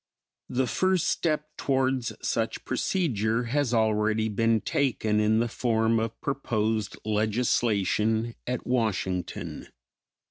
The first step towards such procedure has already been taken in the form of proposed legislation at Washington.